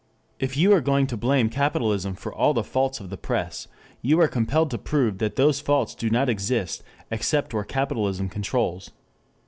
If you are going to blame "capitalism" for the faults of the press, you are compelled to prove that those faults do not exist except where capitalism controls.